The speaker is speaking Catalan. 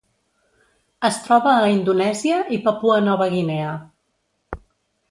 Es troba a Indonèsia i Papua Nova Guinea.